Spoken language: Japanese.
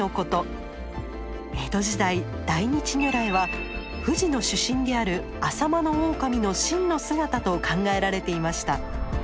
江戸時代大日如来は富士の主神であるアサマノオオカミの真の姿と考えられていました。